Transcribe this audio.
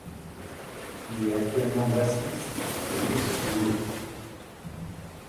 Il est actuellement bassiste de Youth Group.